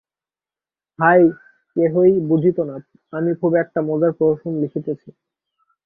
হায়, কেহই বুঝিত না, আমি খুব একটা মজার প্রহসন লিখিতেছি।